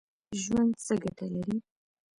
ژوند څه ګټه لري ؟